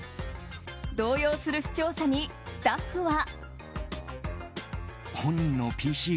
動揺する視聴者にスタッフは。